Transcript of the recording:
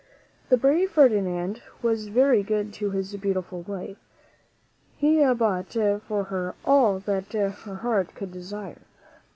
The brave Ferdinand was very good to his beautiful wife. He bought for her all that her heart could desire.